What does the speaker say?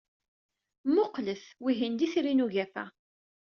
Mmuqqlet, wihin d Itri n Ugafa.